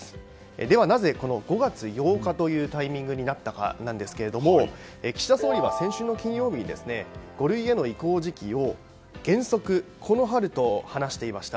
ではなぜ、５月８日というタイミングになったかなんですが岸田総理は先週金曜日に五類への移行時期を原則この春と話していました。